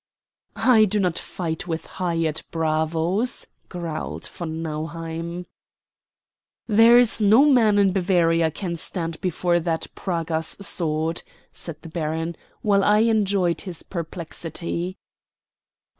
"I do not fight with hired bravos," growled von Nauheim. "There is no man in Bavaria can stand before that Praga's sword," said the baron, while I enjoyed his perplexity.